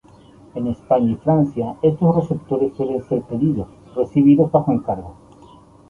En España y Francia estos receptores pueden ser pedidos y recibidos bajo encargo.